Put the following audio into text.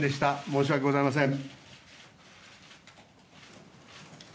申し訳ございません。